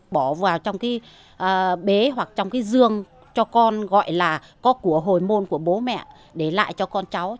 bỏ vào trong cái bế hoặc trong cái dương cho con gọi là có của hồi môn của bố mẹ để lại cho con cháu